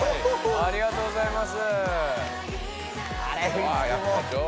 ありがとうございます。